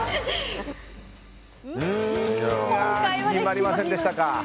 決まりませんでしたか。